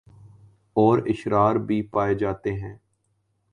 اور اشرار بھی پائے جاتے ہیں